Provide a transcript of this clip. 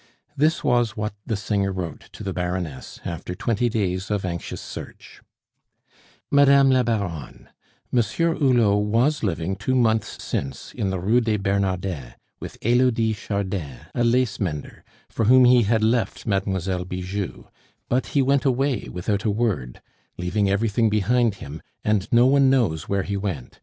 This was what the singer wrote to the Baroness, after twenty days of anxious search: "MADAME LA BARONNE, Monsieur Hulot was living, two months since, in the Rue des Bernardins, with Elodie Chardin, a lace mender, for whom he had left Mademoiselle Bijou; but he went away without a word, leaving everything behind him, and no one knows where he went.